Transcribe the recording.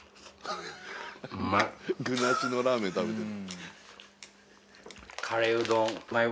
具なしのラーメン食べてる。